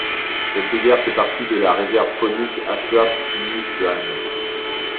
Cette rivière fait partie de la Réserve faunique Ashuapmushuan.